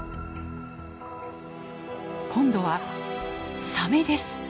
今度はサメです！